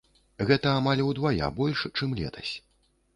Гэта амаль удвая больш, чым летась.